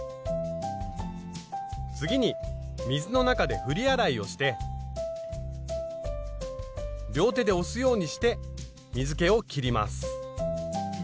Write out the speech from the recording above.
次に水の中で振り洗いをして両手で押すようにして水けをきります。